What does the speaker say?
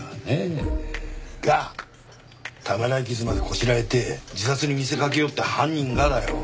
がためらい傷までこしらえて自殺に見せかけようって犯人がだよ